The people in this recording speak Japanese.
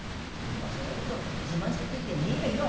今そだごと自慢してっ時でねえべよ！